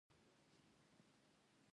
موږ پوه شوو چې هغه د اورېدو وړتيا لري.